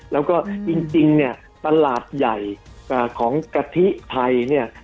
แล้วก็จริงเนี่ยตลาดใหญ่ของกะทิไทยเนี่ย